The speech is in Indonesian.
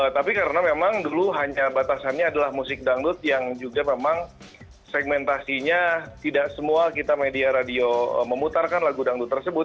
tapi karena memang dulu hanya batasannya adalah musik dangdut yang juga memang segmentasinya tidak semua kita media radio memutarkan lagu dangdut tersebut